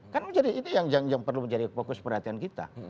kan menjadi itu yang perlu menjadi fokus perhatian kita